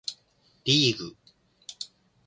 リーグ